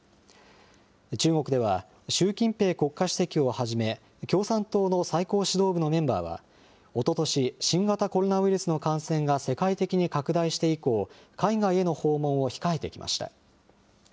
中国では、習近平国家主席をはじめ、共産党の最高指導部のメンバーは、おととし、新型コロナウイルスの感染が世界的に拡大して以降、海外への訪問を控えてきました。